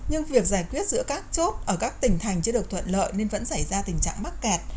nhưng việc giải quyết giữa các chốt ở các tỉnh thành chưa được thuận lợi nên vẫn xảy ra tình trạng mắc kẹt